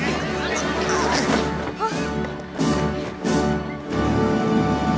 あっ！